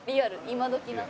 今どきな」